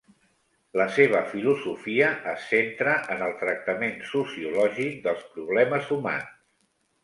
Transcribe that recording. La seva filosofia es centra en el tractament sociològic dels problemes humans.